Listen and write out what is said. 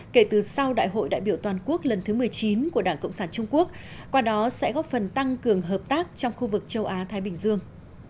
kể từ sau đại hội đại biểu toàn quốc lần thứ một mươi chín của đảng cộng sản trung quốc qua đó sẽ góp phần tăng cường hợp tác trong khu vực châu á thái bình dương